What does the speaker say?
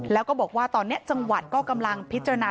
แล้วก็บอกว่าตอนนี้จังหวัดก็กำลังพิจารณา